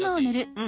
うん。